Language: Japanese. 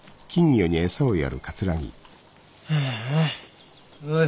ああおい